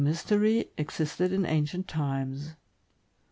mystery, existed in ancient times.